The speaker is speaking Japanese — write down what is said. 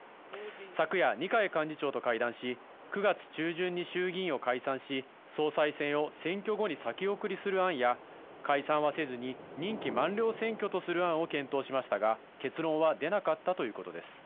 昨夜、二階幹事長と会談し、９月中旬に衆議院を解散し、総裁選を選挙後に先送りする案や、解散はせずに任期満了選挙とする案を検討しましたが、結論は出なかったということです。